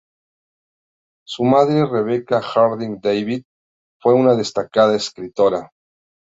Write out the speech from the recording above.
Su madre Rebecca Harding Davis fue una destacada escritora.